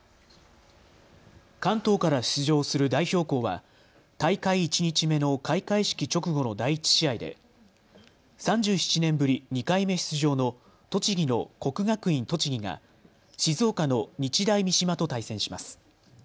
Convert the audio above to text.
関東から出場する代表校は大会１日目の開会式直後の第１試合で、３７年ぶり２回目出場の栃木の国学院栃木が静岡の日大三島と対戦します。